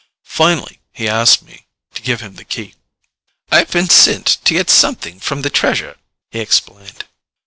Finally, he asked me to give him the Key. "I've been sent to get something from the Treasure," he explained.